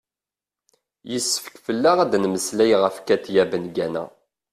yessefk fell-aɣ ad d-nemmeslay ɣef katia bengana